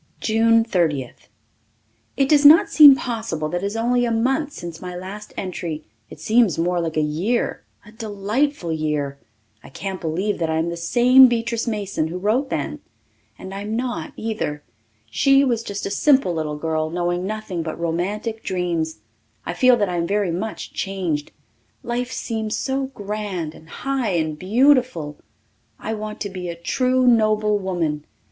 June Thirtieth. It does not seem possible that it is only a month since my last entry. It seems more like a year a delightful year. I can't believe that I am the same Beatrice Mason who wrote then. And I am not, either. She was just a simple little girl, knowing nothing but romantic dreams. I feel that I am very much changed. Life seems so grand and high and beautiful. I want to be a true noble woman.